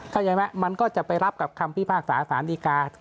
เข้าใจไหมมันก็จะไปรับกับคำพิพากษาสารดีกา